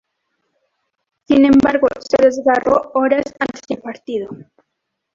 Sin embargo, se desgarro horas antes del partido.